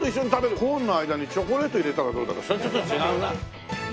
コーンの間にチョコレート入れたらどうだろう？